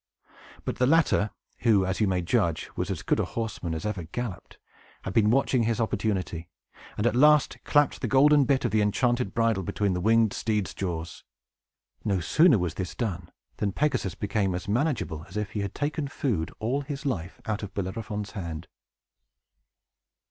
But the latter (who, as you may judge, was as good a horseman as ever galloped) had been watching his opportunity, and at last clapped the golden bit of the enchanted bridle between the winged steed's jaws. No sooner was this done, than Pegasus became as manageable as if he had taken food, all his life, out of Bellerophon's hand.